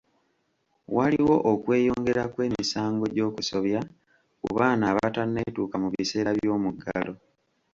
Waliwo okweyongera kw'emisango gy'okusobya ku baana abataneetuuka mu biseera by'omuggalo.